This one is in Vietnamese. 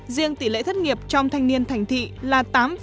riêng tỷ lệ thất nghiệp trong thanh niên thành thị là tám bảy mươi tám